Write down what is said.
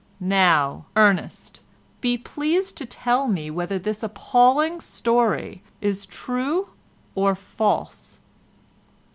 Now, Ernest, be pleased to tell me whether this appalling story is true or false?"